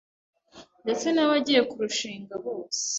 ndetse nabagiye kurushinga bose